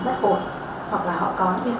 hoặc là họ có những khó khăn về tâm lý